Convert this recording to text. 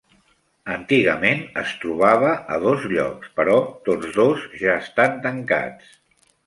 Antigament es trobava a dos llocs, però tots dos ja estan tancats.